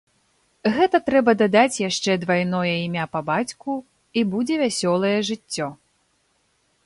Гэта трэба дадаць яшчэ двайное імя па бацьку, і будзе вясёлае жыццё.